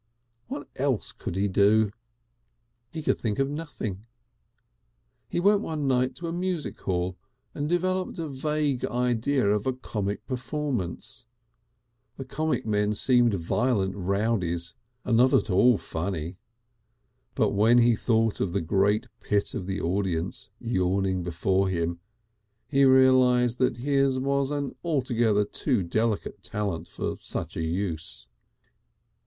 What else could he do? He could think of nothing. He went one night to a music hall and developed a vague idea of a comic performance; the comic men seemed violent rowdies and not at all funny; but when he thought of the great pit of the audience yawning before him he realised that his was an altogether too delicate talent for such a use.